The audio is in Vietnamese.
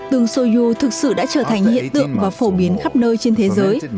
tương soju thực sự đã trở thành hiện tượng và phổ biến khắp nơi trên thế giới